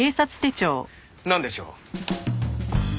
なんでしょう？